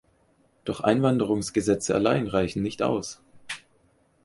Doch Einwanderungsgesetze allein reichen nicht aus.